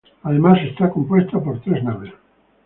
Además está compuesta por tres naves.